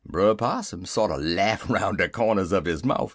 Brer Possum sorter laugh 'round de cornders un his mouf.